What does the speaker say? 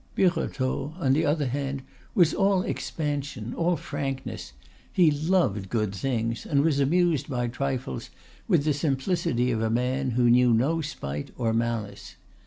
Birotteau, on the other hand, was all expansion, all frankness; he loved good things and was amused by trifles with the simplicity of a man who knew no spite or malice.